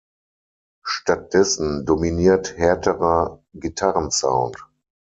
Stattdessen dominiert härterer Gitarrensound.